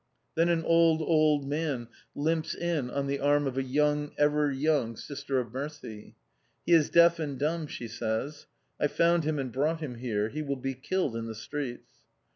Then an old, old man limps in on the arm of a young, ever young Sister of Mercy. "He is deaf and dumb," she says, "I found him and brought him here. He will be killed in the streets."